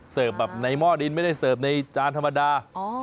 แบบในหม้อดินไม่ได้เสิร์ฟในจานธรรมดา